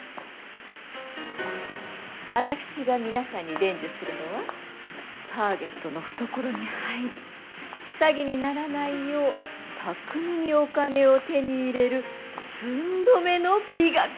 私が皆さんに伝授するのはターゲットの懐に入り詐欺にならないよう巧みにお金を手に入れる寸止めの美学。